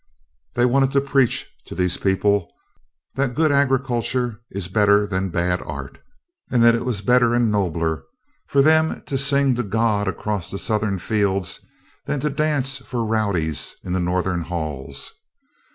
They wanted to preach to these people that good agriculture is better than bad art, that it was better and nobler for them to sing to God across the Southern fields than to dance for rowdies in the Northern halls.